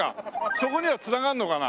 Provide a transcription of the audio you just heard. そこには繋がるのかな？